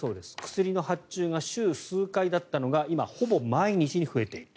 薬の発注が週数回だったのが今、ほぼ毎日に増えている。